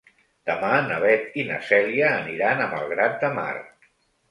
Demà na Beth i na Cèlia aniran a Malgrat de Mar.